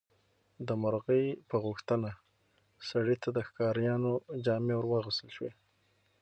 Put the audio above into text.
د مرغۍ په غوښتنه سړي ته د ښکاریانو جامې ورواغوستل شوې.